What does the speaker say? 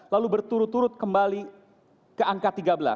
lalu berturut turut kembali ke angka tiga belas